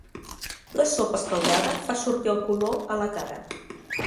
La sopa escaldada fa sortir el color a la cara.